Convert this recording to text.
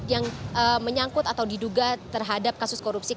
yang menyangkut atau diduga terhadap kasus korupsi